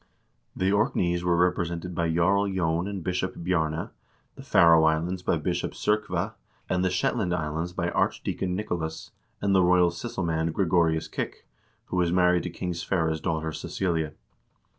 The Orkneys were represented by Jarl J6n and Bishop Bjarne, the Faroe Islands by Bishop S0rkve, and the Shetland Islands by Arch deacon Nicolas, and the royal sysselmand Gregorius Kik, who was married to King Sverre's daughter Cecilia.